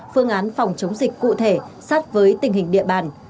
phương án phòng chống dịch cụ thể sát với tình hình địa bàn